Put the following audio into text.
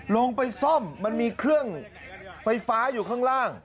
ลงไปซ่อมมันมีเครื่องไฟฟ้าอยู่ข้างล่าง